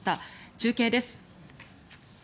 中継です。